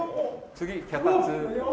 次脚立。